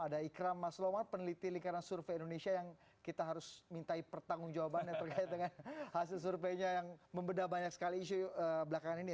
ada ikram maslomat peneliti lingkaran survei indonesia yang kita harus minta pertanggung jawabannya terkait dengan hasil surveinya yang membeda banyak sekali isu belakangan ini